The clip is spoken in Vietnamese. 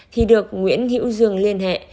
thì được nguyễn hữu dương liên hệ